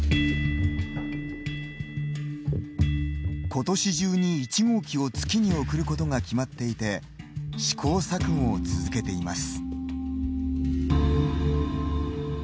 今年中に１号機を月に送ることが決まっていて試行錯誤を続けています。